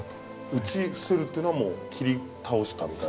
打ち伏せるというのはもう斬り倒したみたいな？